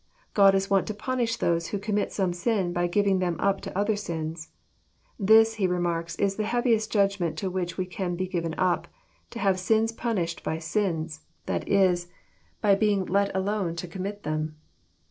God is wont to punish those who commit some sin by giving them up to other sins." This, he remarks, is the heaviest Judgment to which we can be given up, — to have fiins punished by sins, that is, by being let alone to commit them.